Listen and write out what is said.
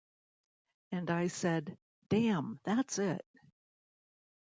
And I said, 'Damn, that's it.